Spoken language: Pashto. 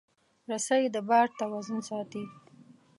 رسۍ د بار توازن ساتي.